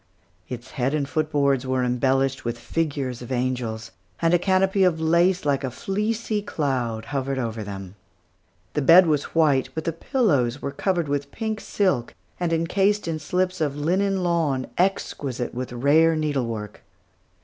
Its head and foot boards were embellished with figures of angels; and a canopy of lace like a fleecy cloud hovered over them. The bed was white, but the pillows were covered with pink silk and encased in slips of linen lawn, exquisite with rare needlework.